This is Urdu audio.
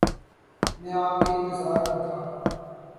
میں آپ کے انتظار میں تھا